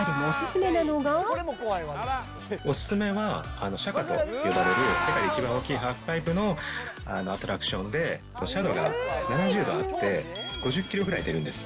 お勧めは、シャカと呼ばれる世界で一番大きいハーフパイプのアトラクションで、斜度が７０度あって、５０キロぐらい出るんです。